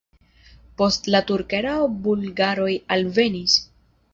Post la turka erao bulgaroj alvenis.